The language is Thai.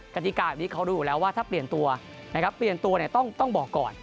กติกาแบบนี้เขารู้อยู่แล้วว่าถ้าเปลี่ยนตัวนะครับเปลี่ยนตัวเนี่ยต้องบอกก่อน